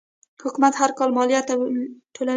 حکومت هر کال مالیه ټولوي.